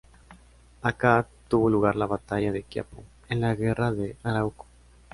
Acá tuvo lugar la Batalla de Quiapo, en la Guerra de Arauco.